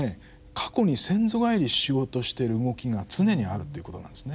過去に先祖返りしようとしてる動きが常にあるっていうことなんですね。